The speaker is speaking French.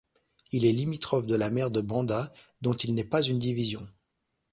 Il est limitrophe de la mer de Banda, dont il n'est pas une division.